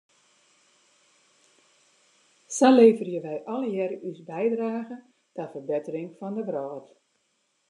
Sa leverje wij allegearre ús bydrage ta ferbettering fan de wrâld.